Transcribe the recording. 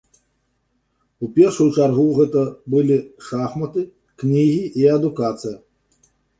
У першую чаргу гэта былі шахматы, кнігі і адукацыя.